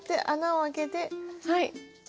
はい。